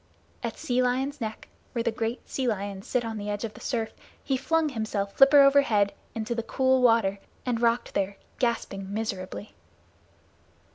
At Sea Lion's Neck, where the great sea lions sit on the edge of the surf, he flung himself flipper overhead into the cool water and rocked there, gasping miserably.